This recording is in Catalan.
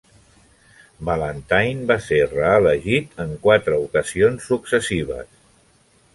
Ballantyne va ser reelegit en quatre ocasions successives.